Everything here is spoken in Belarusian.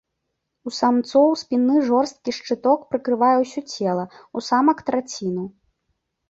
У самцоў спінны жорсткі шчыток прыкрывае ўсё цела, у самак траціну.